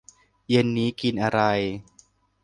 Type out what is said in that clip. เย็นนี้กินอะไร